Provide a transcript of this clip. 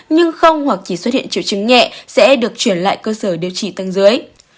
nhưng không hoặc chỉ xuất hiện triệu chứng nhẹ sẽ được chuyển lại cơ sở điều trị tăng dưới